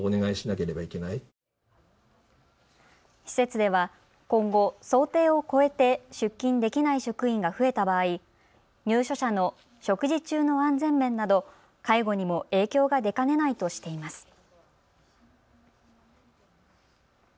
施設では今後、想定を超えて出勤できない職員が増えた場合、入所者の食事中の安全面など介護にも影響が出かねないとしています。